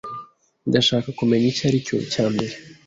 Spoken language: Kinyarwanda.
Ndashaka kumenya icyo aricyo cyambere.